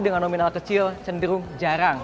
dengan nominal kecil cenderung jarang